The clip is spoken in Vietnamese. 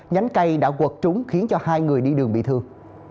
nhánh cây đã quật trúng khiến cho hai người đi đường bị thương